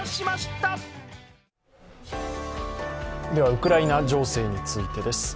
ウクライナ情勢についてです。